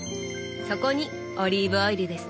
そこにオリーブオイルですね。